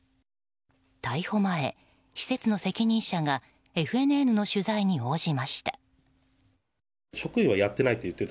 逮捕前、施設の責任者がＦＮＮの取材に応じました。